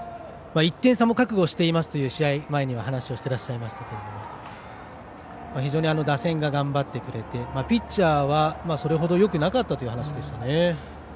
１点差も覚悟していますと試合前に話してらっしゃいましたが非常に打線が頑張ってくれてピッチャーはそれほどよくなかったという話でしたね。